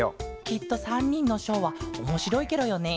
きっと３にんのショーはおもしろいケロよね。